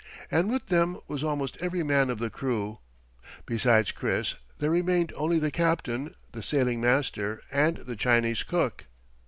And with them was almost every man of the crew. Besides Chris, there remained only the captain, the sailing master and the Chinese cook.